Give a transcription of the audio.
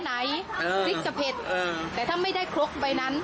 ไหนพริกจะเผ็ดแต่ถ้าไม่ได้ครกใบนั้น